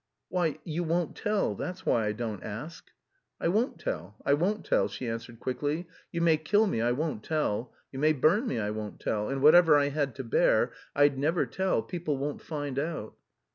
"Why, you won't tell. That's why I don't ask." "I won't tell, I won't tell," she answered quickly. "You may kill me, I won't tell. You may burn me, I won't tell. And whatever I had to bear I'd never tell, people won't find out!"